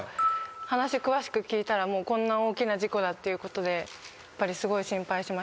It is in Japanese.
話詳しく聞いたらこんな大きな事故だってことでやっぱりすごい心配しました。